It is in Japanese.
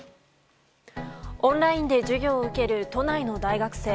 オンラインで授業を受ける都内の大学生。